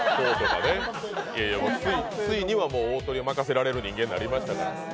いやいや、ついには大トリを任せられる人間になりましたからね。